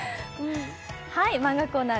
漫画コーナー